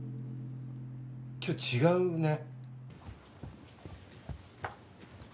今日違うね。